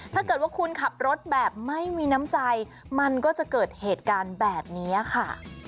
ถ้าเกิดว่าคุณขับรถแบบไม่มีน้ำใจมันก็จะเกิดเหตุการณ์แบบนี้ค่ะ